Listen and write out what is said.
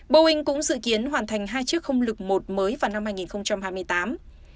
boeing cũng dự kiến hoàn thành hai chiếc không lực một mới vào năm hai nghìn hai mươi tám